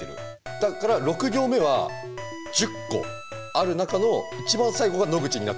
だから６行目は１０個ある中の一番最後が「野口」になっている。